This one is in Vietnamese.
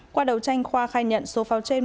qua đầu tranh khoa khai nhận số pháo trên